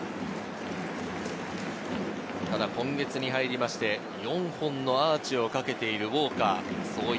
ただ今月に入って、４本のアーチをかけているウォーカー。